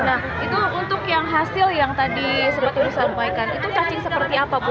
nah itu untuk yang hasil yang tadi sempat ibu sampaikan itu cacing seperti apa bu